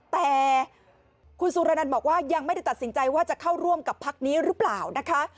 แต่คุณสุรนันต์บอกว่ายังไม่ได้ตัดสินใจว่าจะเข้าร่วมกับพักนี้หรือเปล่านะคะ